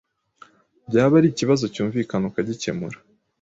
byaba ari ikibazo cyumvikana ukagikemura.